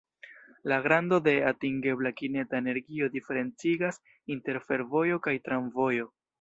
La grando de atingebla kineta energio diferencigas inter fervojo kaj tramvojo.